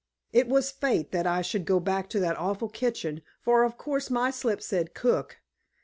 It was fate that I should go back to that awful kitchen, for of course my slip said "cook."